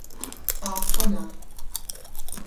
a, pona.